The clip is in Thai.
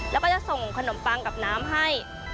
แล้วก็จะส่งขนมปังกับน้ำให้